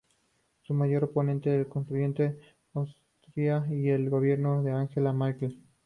Su mayor oponente lo constituyen Austria y el Gobierno de Angela Merkel.